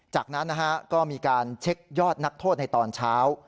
จากนั้นก็มีการเช็คยอดนักโทษในตอนเช้า